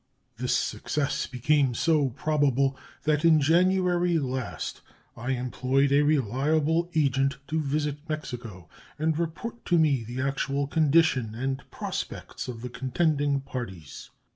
This success became so probable that in January last I employed a reliable agent to visit Mexico and report to me the actual condition and prospects of the contending parties.